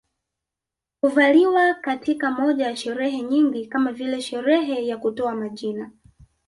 Huvaliwa katika moja ya sherehe nyingi kama vile sherehe ya kutoa majina